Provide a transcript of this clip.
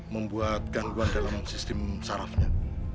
membuat gangguan dalam sistem sarafnya